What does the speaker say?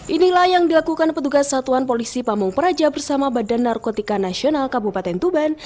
inilah yang dilakukan petugas satuan polisi pamung praja bersama badan narkotika nasional kabupaten tuban